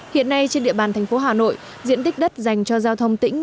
hiện nay trên địa bàn thành phố hà nội diện tích đất dành cho giao thông tỉnh